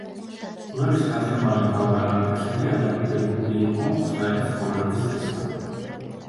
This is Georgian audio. გველის ხერხემალი და უკანა ფეხები ადაპტირებული იყო მთხრელი ცხოვრების წესთან.